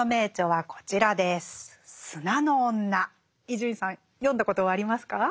伊集院さん読んだことはありますか？